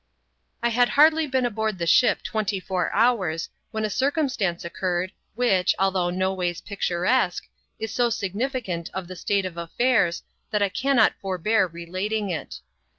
I HAD scarcelj been aboard of the ship twenty four hours when a circumstance occurred, which, although noways picturesque, is so significant of the state of affairs, that I cannot forbear relating it.